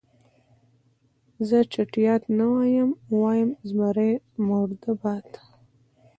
زه چټیات نه وایم، وایم زمري مرده باد.